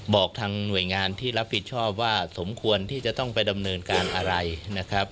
บอกทางหน่วยงานที่รับผิดชอบว่าสมควรที่จะต้องไปดำเนินการอะไรนะครับ